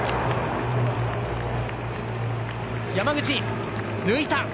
山口、抜いた！